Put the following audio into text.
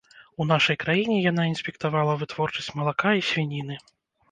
У нашай краіне яна інспектавала вытворчасць малака і свініны.